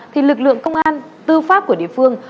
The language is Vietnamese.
thì lực lượng công an tư pháp của địa phương